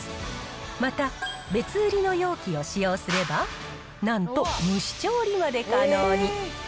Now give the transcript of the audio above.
また、別売りの容器を使用すれば、なんと、蒸し調理まで可能に。